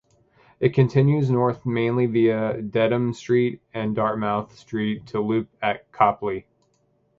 It continues north mainly via Dedham Street and Dartmouth Street to loop at Copley.